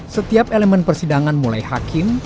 setiap elemen persidangan mulai hakim